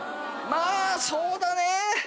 まぁそうだね。